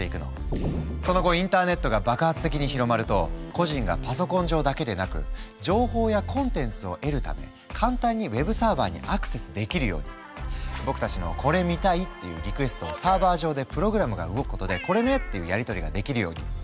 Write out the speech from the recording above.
その後インターネットが爆発的に広まると個人がパソコン上だけでなく情報やコンテンツを得るため簡単にウェブサーバーにアクセスできるように僕たちの「これ見たい」っていうリクエストをサーバー上でプログラムが動くことで「これね」っていうやり取りができるように。